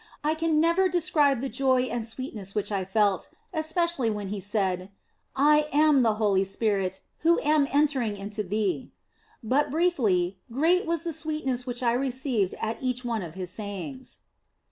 I can never de scribe the joy and sweetness which I felt, especially when He said, " I am the Holy Spirit who am entering into thee ;" but briefly, great was the sweetness which I re ceived at each one of His sayings.